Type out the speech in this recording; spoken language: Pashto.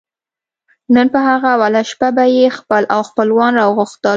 نو په هغه اوله شپه به یې خپل او خپلوان را غوښتل.